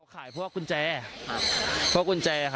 ขายพวกกุญแจ